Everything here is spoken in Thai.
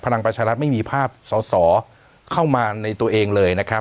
พลังประชารัฐไม่มีภาพสอสอเข้ามาในตัวเองเลยนะครับ